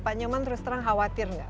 pak nyoman terus terang khawatir nggak